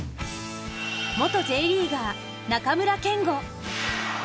元Ｊリーガー・中村憲剛。